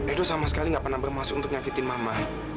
edo sama sekali nggak pernah bermaksud untuk nyakitin mama